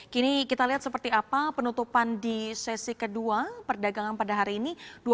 kini kita lihat seperti apa penutupan di sesi kedua perdagangan pada hari ini